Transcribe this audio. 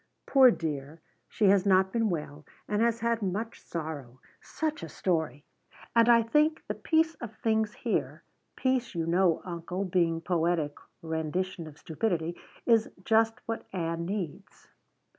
Poor dear, she has not been well and has had much sorrow such a story! and I think the peace of things here peace you know, uncle, being poetic rendition of stupidity is just what Ann needs."